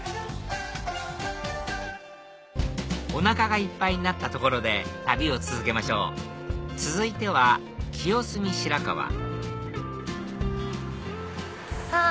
おなかがいっぱいになったところで旅を続けましょう続いては清澄白河さぁ